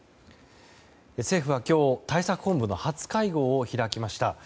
政府は今日、対策本部の初会合を開きました。